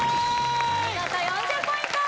お見事４０ポイント